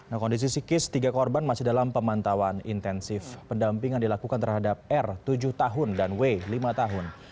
nah kondisi psikis tiga korban masih dalam pemantauan intensif pendampingan dilakukan terhadap r tujuh tahun dan w lima tahun